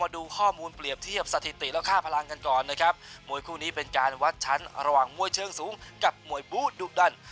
ดูข้อมูลเปรียบเทียบสถิติและค่าพลังกันก่อนนะครับมวยคู่นี้เป็นการวัดชั้นระหว่างมวยเชิงสูงกับมวยบูธดุดัน